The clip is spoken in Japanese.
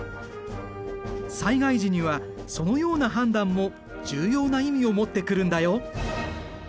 災害時にはそのような判断も重要な意味を持ってくるんだよ。